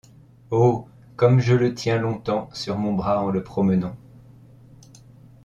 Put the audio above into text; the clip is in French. Oh ! comme je le tiens long-temps sur mon bras en le promenant !